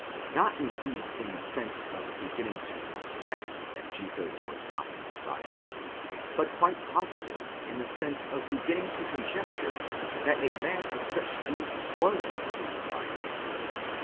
Not indeed in the sense of beginning to suspect that Jesus was vot the Messiah; but quite possibly in the sense of beginning to conjecture that a man of such deeds was the Messiah.